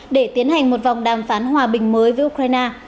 để tiến hành một vòng đàm phán hòa bình mới với ukraine